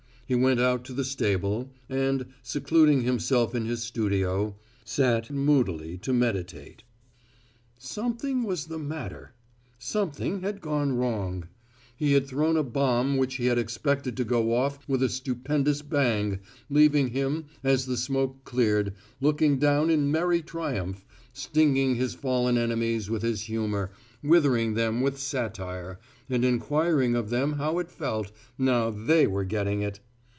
He went out to the stable, and, secluding himself in his studio, sat moodily to meditate. Something was the matter. Something had gone wrong. He had thrown a bomb which he had expected to go off with a stupendous bang, leaving him, as the smoke cleared, looking down in merry triumph, stinging his fallen enemies with his humour, withering them with satire, and inquiring of them how it felt, now they were getting it.